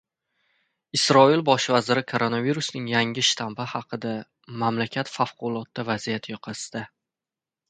Isroil Bosh vaziri koronavirusning yangi shtammi haqida: mamlakat favqulodda vaziyat yoqasida